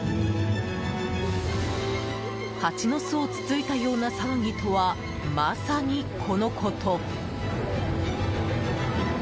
ハチの巣をつついたような騒ぎとは、まさにこのこと。